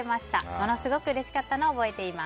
ものすごくうれしかったのを覚えています。